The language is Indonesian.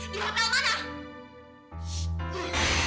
lihat lah mana